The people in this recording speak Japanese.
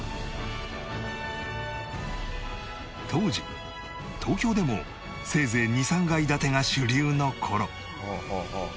当時東京でもせいぜい２３階建てが主流の頃